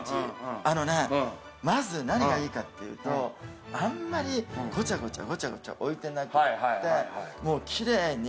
あのねまず何がいいかっていうとあんまりごちゃごちゃごちゃごちゃ置いてなくって。